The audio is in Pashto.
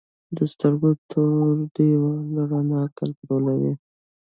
د سترګو تور دیوال رڼا کنټرولوي